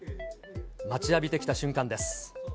待ちわびてきた瞬間です。